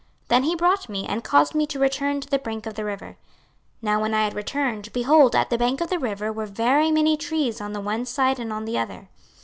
Then he brought me, and caused me to return to the brink of the river. 26:047:007 Now when I had returned, behold, at the bank of the river were very many trees on the one side and on the other.